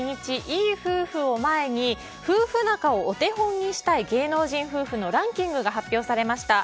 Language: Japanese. いい夫婦の日を前に夫婦仲をお手本にしたい芸能人夫婦のランキングが発表されました。